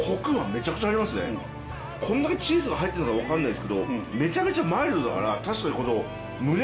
こんだけチーズが入ってるからかわかんないですけどめちゃめちゃマイルドだから確かに。